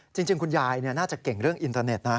จริงคุณยายน่าจะเก่งเรื่องอินเทอร์เน็ตนะ